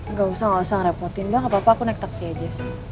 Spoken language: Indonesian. nggak usah nggak usah ngerepotin gak apa apa aku naik taksi aja